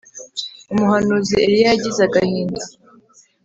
umuhanuzi Eliya yagize agahinda.